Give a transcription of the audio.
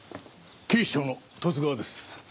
警視庁の十津川です。